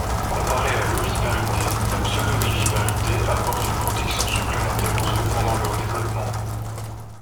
Comparée à l'oviparité, la pseudo-viviparité apporte une protection supplémentaire aux œufs pendant leur développement.